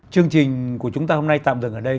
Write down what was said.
chương trình của chúng ta hôm nay tạm dừng ở đây